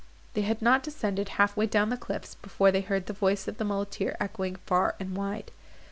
They had not descended half way down the cliffs, before they heard the voice of the muleteer echoing far and wide.